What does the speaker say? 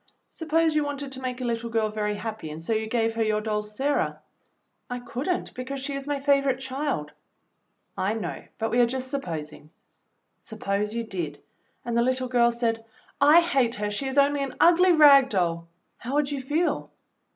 Suppose you wanted to make a little girl very happy and so you gave her your doll, Sarah." "I could n't, because she is my favorite child." "I know, but we are just supposing. Suppose you did, and the little girl said, 'I hate her, she is only an ugly rag doll,' how would you feel.